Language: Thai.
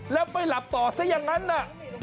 แล้วไปหลับต่อซะอย่างนั้นน่ะ